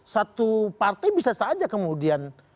satu partai bisa saja kemudian